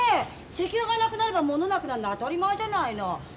石油がなくなればものなくなんの当たり前じゃないの。